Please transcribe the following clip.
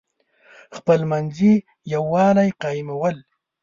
خپلمنځي یوالی قایمول.